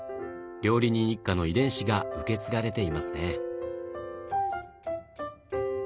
料理人一家の遺伝子が受け継がれていますね。